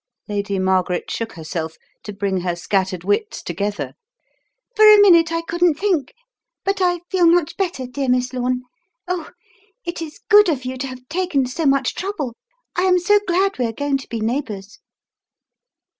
Lady Margaret shook herself, to bring her scattered wits together. "For a minute I couldn't think. But I feel much better, dear Miss Lome. Oh! It is good of you to have taken so much trouble. I am so glad we are going to be neighbours."